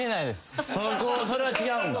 それは違うんだ。